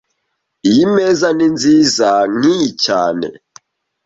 Iyi meza ni nziza nkiyi cyane